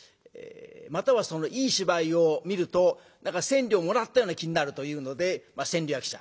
またはいい芝居を見ると何か千両もらったような気になるというので千両役者。